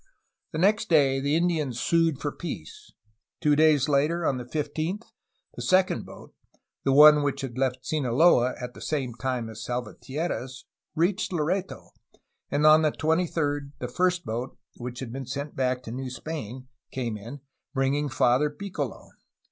The next day the Indians sued for peace. Two days later, on the 15th, the second boat (the one which had left Sinaloa at the same time as Salvatierra's) reached Loreto, and on the 23d the first boat (which had been sent back to New Spain) came in, bringing Father Piccolo.